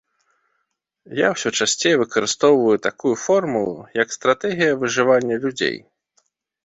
Я ўсё часцей выкарыстоўваю такую формулу як стратэгія выжывання людзей.